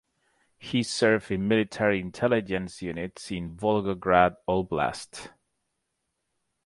He served in military intelligence units in Volgograd Oblast.